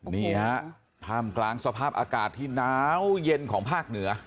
นี่ฮะท่ามกลางสภาพอากาศที่หนาวเย็นของภาคเหนือ